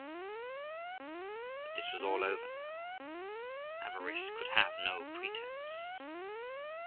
But this was all over now; avarice could have no pretence.